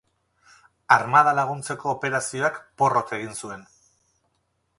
Armada laguntzeko operazioak porrot egin zuen.